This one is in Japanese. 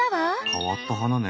変わった花ね。